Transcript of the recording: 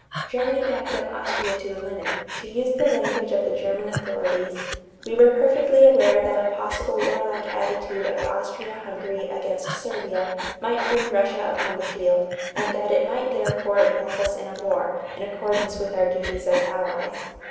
Germany backed up Austria to the limit. To use the language of the German authorities: "We were perfectly aware that a possible warlike attitude of Austria Hungary against Serbia might bring Russia upon the field and that it might therefore involve us in a war, in accordance with our duties as allies.